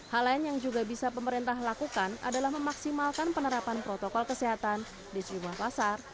hal lain yang juga bisa pemerintah lakukan adalah memaksimalkan penerapan protokol kesehatan di sejumlah pasar